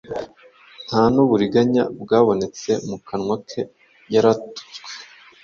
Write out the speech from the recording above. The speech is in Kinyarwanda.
nta n’uburiganya bwabonetse mu kanwa ke: yaratutswe,